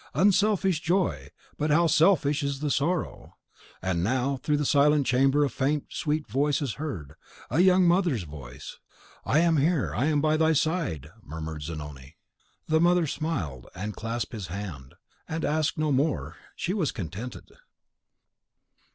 Unselfish joy; but how selfish is the sorrow! And now through the silent chamber a faint sweet voice is heard, the young mother's voice. "I am here: I am by thy side!" murmured Zanoni. The mother smiled, and clasped his hand, and asked no more; she was contented.